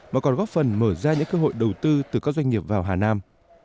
mà còn góp phần mở ra những cơ hội đầu tư từ các doanh nghiệp vào hà nam